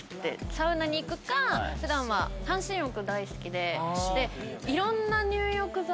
サウナに行くか普段は半身浴大好きで。